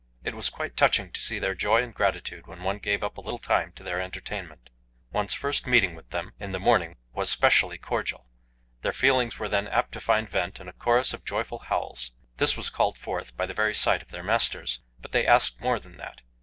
It was quite touching to see their joy and gratitude when one gave up a little time to their entertainment. One's first meeting with them in the morning was specially cordial. Their feelings were then apt to find vent in a chorus of joyful howls; this was called forth by the very sight of their masters, but they asked more than that.